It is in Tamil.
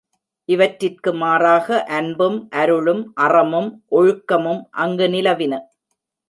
இவற்றிற்கு மாறாக அன்பும், அருளும், அறமும், ஒழுக்கமும் அங்கு நிலவின.